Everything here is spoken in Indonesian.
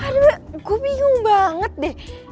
karena gue bingung banget deh